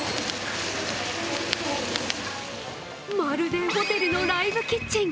まるでホテルのライブキッチン！